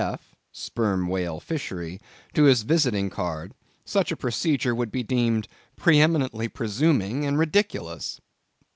F. (Sperm Whale Fishery) to his visiting card, such a procedure would be deemed pre eminently presuming and ridiculous.